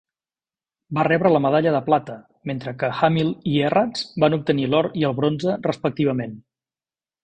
Va rebre la medalla de plata, mentre que Hamill i Errath van obtenir l'or i el bronze respectivament.